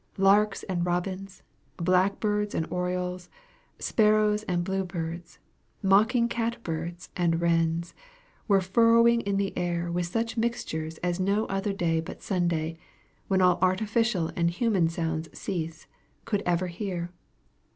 Larks and robins, blackbirds and orioles, sparrows and bluebirds, mocking cat birds and wrens, were furrowing the air with such mixtures as no other day but Sunday, when all artificial and human sounds cease, could ever hear.